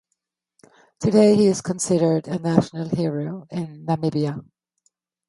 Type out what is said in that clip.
Today he is considered a national hero in Namibia.